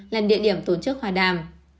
là địa điểm tổ chức hòa đàm